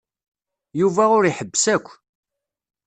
Yuba ur iḥebbes akk.